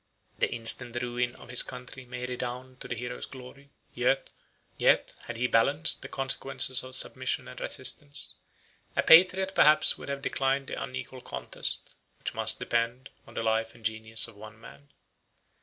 The instant ruin of his country may redound to the hero's glory; yet, had he balanced the consequences of submission and resistance, a patriot perhaps would have declined the unequal contest which must depend on the life and genius of one man.